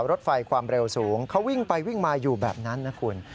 รถไฟความเร็วสูงเขาวิ่งไปวิ่งมาอยู่แบบนั้นนะคุณ